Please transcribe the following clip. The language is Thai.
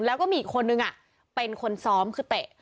แล้วก็มีอีกคนนึงเป็นคนซ้อมคือเตะ